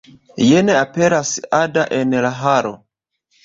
Jen aperas Ada en la halo.